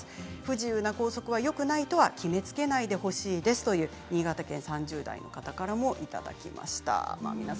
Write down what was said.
不自由な校則はよくないとは決めつけないでほしいですという新潟県３０代の方からいただきました。